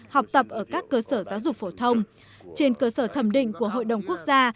học tập ở các cơ sở giáo dục phổ thông trên cơ sở thẩm định của hội đồng quốc gia